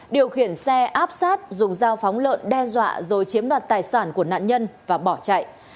điều khiển xe áp sát dùng dao phóng lợn đe dọa rồi chiếm đoạt tài sản của nạn nhân và bỏ chạy